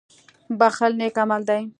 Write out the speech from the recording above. • بښل نېک عمل دی.